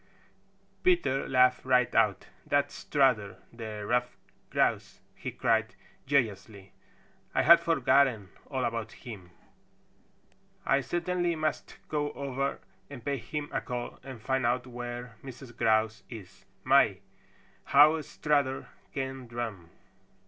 Peter laughed right out. "That's Strutter the Stuffed Grouse!" he cried joyously. "I had forgotten all about him. I certainly must go over and pay him a call and find out where Mrs. Grouse is. My, how Strutter can drum!"